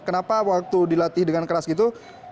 kenapa waktu dilatih dengan keras gitu